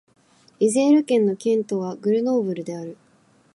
イゼール県の県都はグルノーブルである